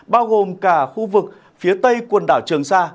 bao gồm cả khu vực phía tây quần đảo trường sa